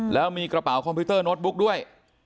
แล้วมีกระเป๋าคอมพิวเตอร์โน้ตบุ๊กด้วย